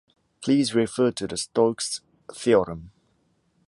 Please refer to the Stokes's theorem.